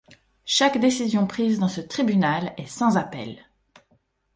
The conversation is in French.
Chaque décision prise dans ce tribunal est sans appel.